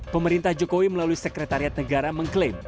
pemerintah jokowi melalui sekretariat negara mengklaim